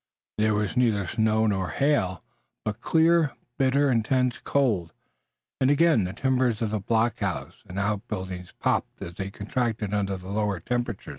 There was neither snow, nor hail, but clear, bitter, intense cold, and again the timbers of the blockhouse and outbuildings popped as they contracted under the lower temperature.